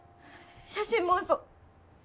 写真も嘘。